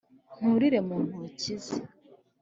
nturīre mu ntoki ze.